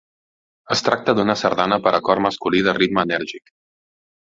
Es tracta d'una sardana per a cor masculí de ritme enèrgic.